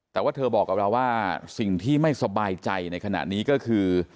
แต่ว่าเธอบอกกับเราว่าสิ่งที่ไม่สบายใจในขณะนี้ก็คือ